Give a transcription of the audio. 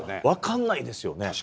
分かんないんですよね。